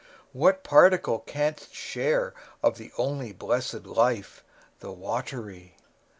What particle canst share Of the only blessed life, the watery?